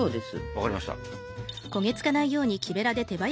分かりました。